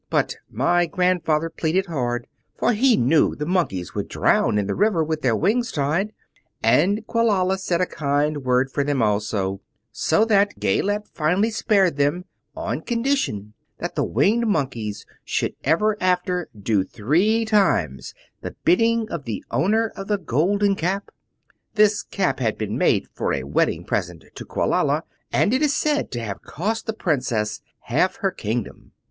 But my grandfather pleaded hard, for he knew the Monkeys would drown in the river with their wings tied, and Quelala said a kind word for them also; so that Gayelette finally spared them, on condition that the Winged Monkeys should ever after do three times the bidding of the owner of the Golden Cap. This Cap had been made for a wedding present to Quelala, and it is said to have cost the princess half her kingdom.